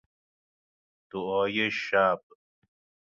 دعای شب